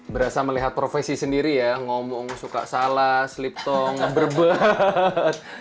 berasa melihat profesi sendiri ya ngomong suka salah sliptong ngeberat